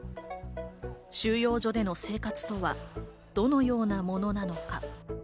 収容所での生活とは、どのようなものなのか？